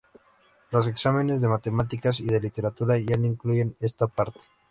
Los exámenes de matemáticas y de literatura ya no incluyen esta parte.